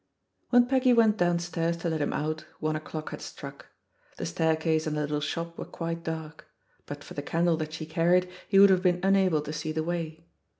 When Peggy went downstairs to let him out, one o'clock had struck. The staircase and the little shop were quite dark; but for the candle that she carried, he would have been unable to see the way.